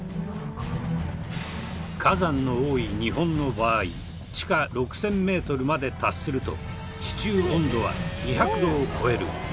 火山の多い日本の場合地下６０００メートルまで達すると地中温度は２００度を超える。